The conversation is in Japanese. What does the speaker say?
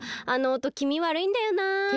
あのおときみわるいんだよなあ。